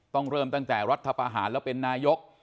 ต้องเริ่มตั้งแต่รัฐประหารแล้วเป็นนายก